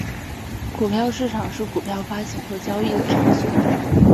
股票市场是股票发行和交易的场所。